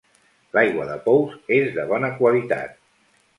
L'aigua de pous és de bona qualitat.